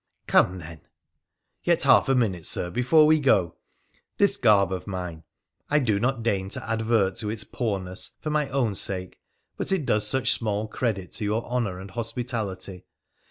' Come, then !'' Yet half a minute, Sir, before we go. This garb of mine — I do not deign to advert to its poorness, for my own sake, but it does such small credit to your honour and hospitality.